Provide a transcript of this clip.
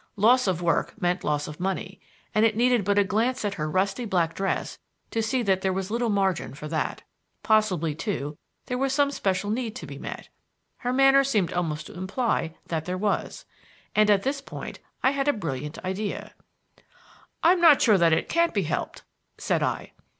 Loss of work meant loss of money, and it needed but a glance at her rusty black dress to see that there was little margin for that. Possibly, too, there was some special need to be met. Her manner seemed almost to imply that there was. And at this point I had a brilliant idea. "I'm not sure that it can't be helped," said I.